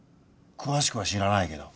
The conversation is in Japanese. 詳しくは知らないけど。